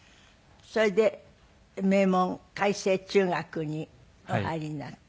それで名門開成中学にお入りになって。